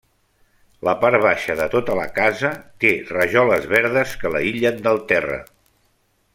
La part baixa de tota la casa té rajoles verdes que l'aïllen del terra.